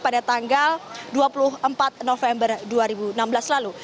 pada tanggal dua puluh empat november dua ribu enam belas lalu